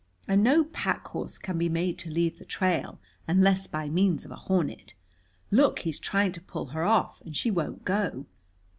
And no pack horse can be made to leave the trail unless by means of a hornet. Look, he's trying to pull her off and she won't go."